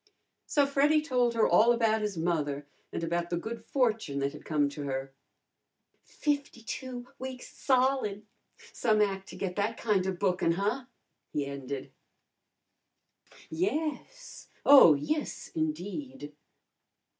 So Freddy told her all about his mother, and about the good fortune that had come to her. "Fifty two weeks solid! Some ac' to get that kinda bookin, huh?" he ended. "Yes! Oh, yes, indeed!"